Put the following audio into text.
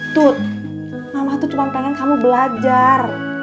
tut mama tuh cuma pengen kamu belajar